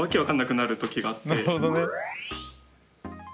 なるほどね。